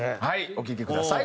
お聴きください。